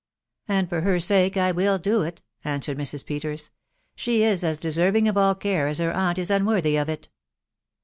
"And for her sake I will do it," answered Mrs. Peters. "She is as deserving of all care as her aunt is unworthy of it."